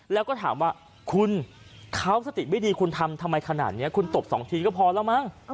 แล้วก็ถามว่าคุณเขาสติไม่ดีคุณทำทำไมขนาดนี้คุณตบ๒ทีก็พอแล้วมั้ง